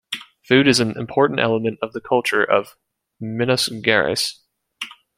Food is an important element of the culture of Minas Gerais.